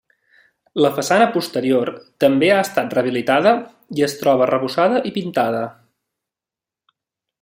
La façana posterior també ha estat rehabilitada i es troba arrebossada i pintada.